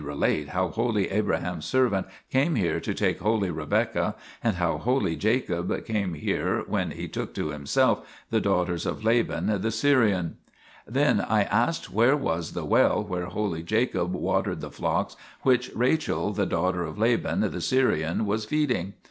31. * Gen. xxiv. 10, 15. THE PILGRIMAGE OF ETHERIA 39 relate l how holy Abraham's servant came here to take holy Rebecca, and how holy Jacob came here when he took to himself the daughters of Laban the Syrian." Then I asked where was the well where holy Jacob watered the flocks which Rachel, the daughter of Laban the Syrian, was feeding.